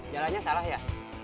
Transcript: jalannya salah ya